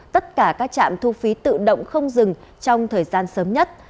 tất cả các trạm thu phí tự động không dừng trong thời gian sớm nhất